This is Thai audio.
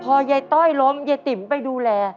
พอเย้ต้อยล้มเย้ติ๋มไปดูแล